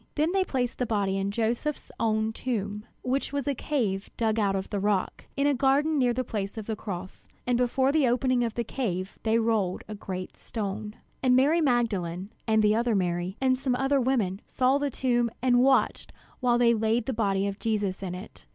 Then they placed the body in Joseph's own new tomb, which was a cave dug out of the rock, in a garden near the place of the cross. And before the opening of the cave they rolled a great stone. And Mary Magdalene, and the other Mary, and some other women, saw the tomb, and watched while they laid the body of Jesus in it.